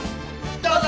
どうぞ！